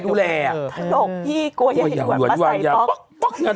สนุกพี่กลัวแหงหวันป้าใส่บล็อก